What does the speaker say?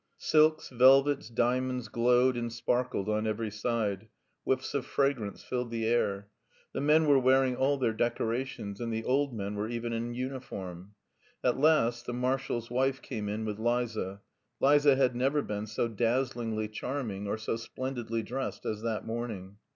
Silks, velvets, diamonds glowed and sparkled on every side; whiffs of fragrance filled the air. The men were wearing all their decorations, and the old men were even in uniform. At last the marshal's wife came in with Liza. Liza had never been so dazzlingly charming or so splendidly dressed as that morning.